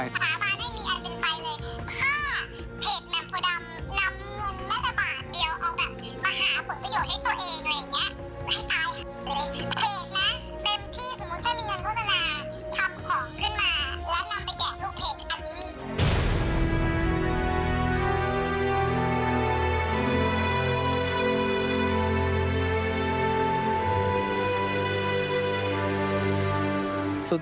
สาบานให้มีอันเป็นไปเลย